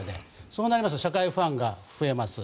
そうなりますと社会不安が増えます。